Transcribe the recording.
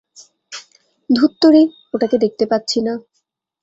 ধুত্তুরি, ওটাকে দেখতে পাচ্ছি না।